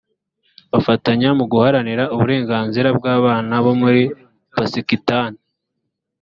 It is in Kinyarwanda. bafatanya mu guharanira uburenganzira bw abana bo muri pasikitani